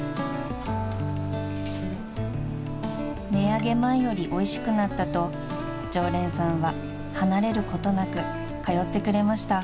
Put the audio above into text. ［値上げ前よりおいしくなったと常連さんは離れることなく通ってくれました］